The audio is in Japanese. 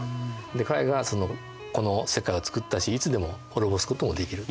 彼がこの世界を作ったしいつでも滅ぼすこともできると。